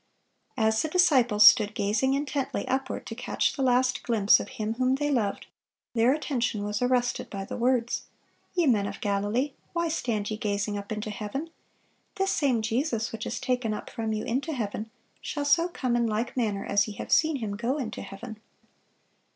As the disciples stood gazing intently upward to catch the last glimpse of Him whom they loved, their attention was arrested by the words, "Ye men of Galilee, why stand ye gazing up into heaven? this same Jesus, which is taken up from you into heaven, shall so come in like manner as ye have seen Him go into heaven."